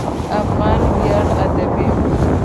افغان ویاړ ادبي